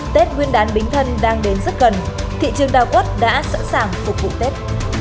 tết nguyên đán bính thân đang đến rất gần thị trường đào quất đã sẵn sàng phục vụ tết